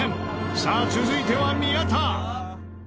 さあ続いては宮田！